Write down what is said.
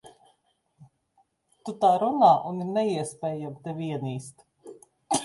Tu tā runā, un ir neiespējami tevi ienīst.